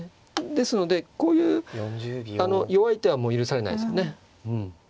ですのでこういう弱い手はもう許されないですね。